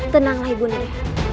tenanglah ibu nia